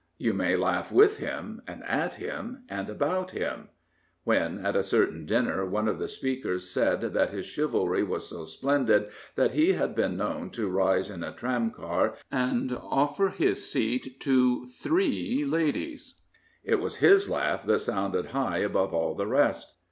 You may laugh with him and at him and about him. When, at a certain dinner, one of the speakers said that his chivalry was so splendid that he had been known to rise in a tramcar and offer his seat to three ladies," it was his laugh that sounded high above all the rest.